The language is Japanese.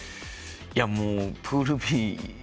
もうプールＢ